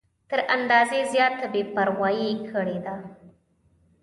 تر اندازې زیاته بې پروايي کړې ده.